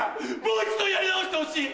もう一度やり直してほしい。